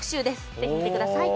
ぜひ、見てください。